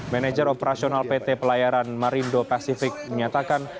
manager operasional pt pelayaran marindo pacific menyatakan